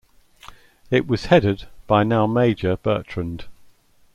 It was headed by now-Major Bertrand.